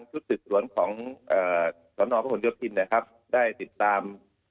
จุฐสตรวนของศนภนยพินทร์ได้ติดตาม